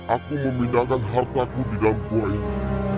aku memindahkan hartaku di dalam buah itu